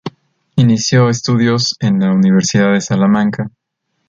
Inició estudios en la Universidad de Salamanca.